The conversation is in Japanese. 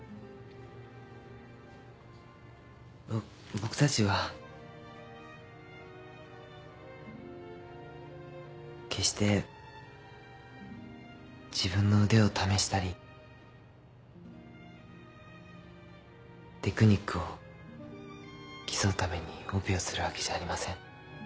僕たちは決して自分の腕を試したりテクニックを競うためにオペをするわけじゃありません。